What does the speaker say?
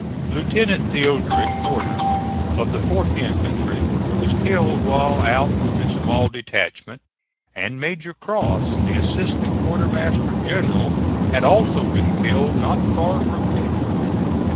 Lieutenant Theodric Porter, of the 4th infantry, was killed while out with a small detachment; and Major Cross, the assistant quartermaster general, had also been killed not far from camp.